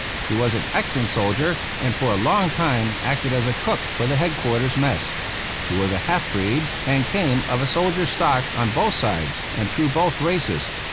He was an excellent soldier, and for a long time acted as cook for the head quarters mess. He was a half breed, and came of a soldier stock on both sides and through both races.